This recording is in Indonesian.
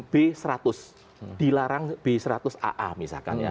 b seratus dilarang b seratus aa misalkan ya